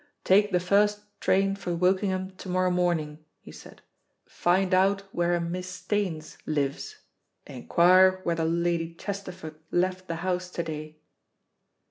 "Take the first train for Wokingham to morrow morning," he said. "Find out where a Miss Staines lives. Inquire whether Lady Chesterford left the house to day."